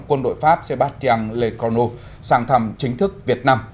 quân đội pháp sébastien lecourneau sang thăm chính thức việt nam